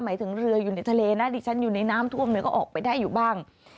หมายถึงเรืออยู่ในทะเลนะดิฉันอยู่ในน้ำท่วมเรือก็ออกไปได้อยู่บ้าง